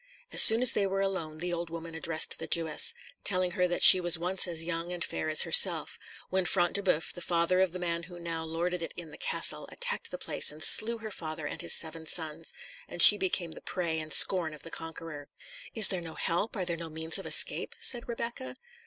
As soon as they were alone the old woman addressed the Jewess, telling her that she was once as young and fair as herself, when Front de Boeuf, the father of the man who now lorded it in the castle, attacked the place and slew her father and his seven sons, and she became the prey and scorn of the conqueror. "Is there no help? Are there no means of escape?" said Rebecca.